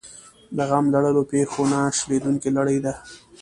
د غم لړلو پېښو نه شلېدونکې لړۍ ده.